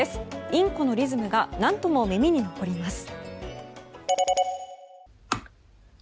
インコのリズムが何とも耳に残ります。